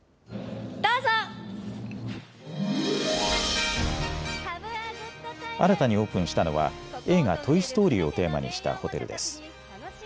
新たにオープンしたのは映画、トイ・ストーリーをテーマにしたホテルです。